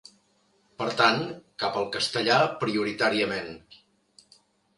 Per tant, cap al castellà prioritàriament.